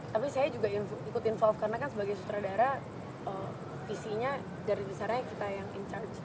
tapi saya juga ikut involve karena kan sebagai sutradara visinya dari besarnya kita yang in charge